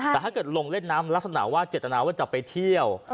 แต่ถ้าเกิดลงเล่นน้ำลักษณะว่าเจตนาว่าจะไปเที่ยว